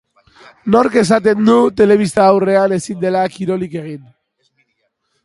Nork esaten du telebista aurrean ezin dela kirolik egin?